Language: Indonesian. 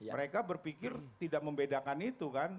mereka berpikir tidak membedakan itu kan